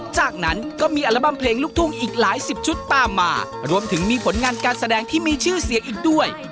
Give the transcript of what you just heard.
จากนั้นก็มีอัลบั้มเพลงลูกทุ่งอีกหลายสิบชุดตามมารวมถึงมีผลงานการแสดงที่มีชื่อเสียงอีกด้วย